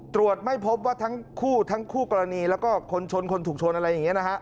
ตรวจไม่พบว่าทั้งคู่ทั้งคู่กรณีแล้วก็คนชนคนถูกชนอะไรอย่างนี้นะฮะ